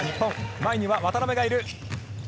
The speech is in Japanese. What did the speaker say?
前には渡邊がいる。